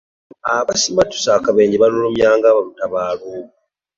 Abasimatuse akabenje balunyumya nga lutabaalo.